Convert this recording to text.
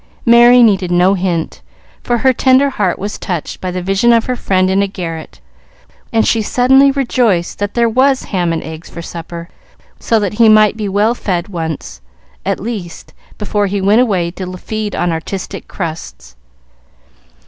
Merry needed no hint, for her tender heart was touched by the vision of her friend in a garret, and she suddenly rejoiced that there was ham and eggs for supper, so that he might be well fed once, at least, before he went away to feed on artistic crusts.